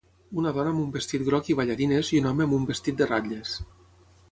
Una dona amb un vestit groc i ballarines i un home amb un vestit de ratlles.